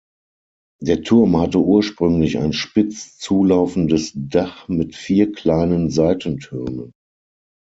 Der Turm hatte ursprünglich ein spitz zulaufendes Dach mit vier kleinen Seitentürmen.